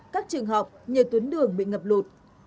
các trường học như tuyến đường bị ngập lụt